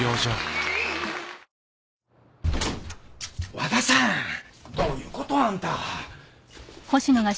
和田さんどういうことあんた？